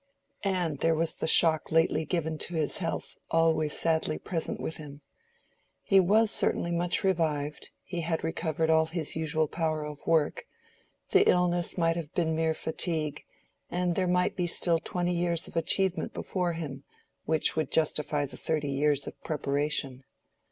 And there was the shock lately given to his health always sadly present with him. He was certainly much revived; he had recovered all his usual power of work: the illness might have been mere fatigue, and there might still be twenty years of achievement before him, which would justify the thirty years of preparation.